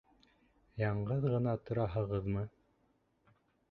— Яңғыҙ ғына тораһығыҙмы?